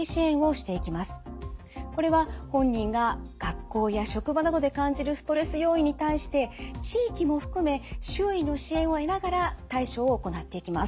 これは本人が学校や職場などで感じるストレス要因に対して地域も含め周囲の支援を得ながら対処を行っていきます。